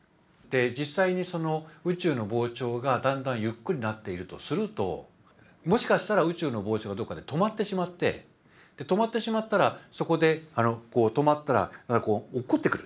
実際にその宇宙の膨張がだんだんゆっくりになっているとするともしかしたら宇宙の膨張がどっかで止まってしまって止まってしまったらそこで止まったら落っこってくる。